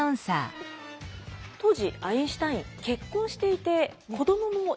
当時アインシュタイン結婚していて子供もいました。